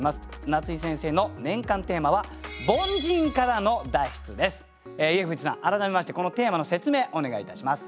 夏井先生の年間テーマは家藤さん改めましてこのテーマの説明お願いいたします。